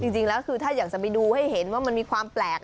จริงแล้วคือถ้าอยากจะไปดูให้เห็นว่ามันมีความแปลก